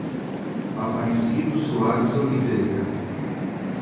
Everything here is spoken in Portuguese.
Aparecido Soares Oliveira